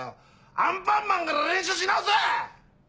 アンパンマンから練習し直せ！